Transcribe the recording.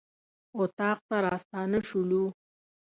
اطاق ته راستانه شولو.